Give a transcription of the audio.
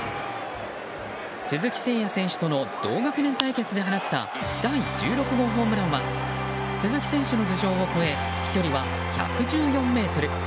鈴木誠也選手との同学年対決で放った第１６号ホームランは鈴木選手の頭上を越え飛距離は１１４ｍ。